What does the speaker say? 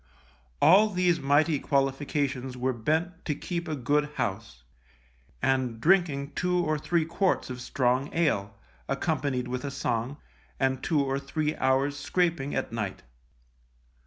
All these mighty qualifications were bent to keep a good house, and drinking two or three quarts of strong ale, accompanied with a song, and two or three hours' scraping at night.